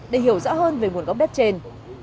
để hiểu rõ hơn về nguồn gốc đất trên